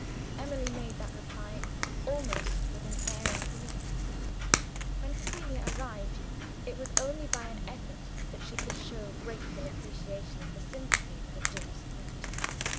Emily made that reply almost with an air of relief. When Cecilia arrived, it was only by an effort that she could show grateful appreciation of the sympathy of her dearest friend.